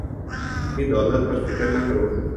اپنی دولت پر فکر نہ کرو